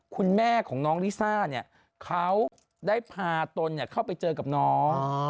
คุณแม่ของน้องลิซ่าเนี่ยเขาได้พาตนเข้าไปเจอกับน้อง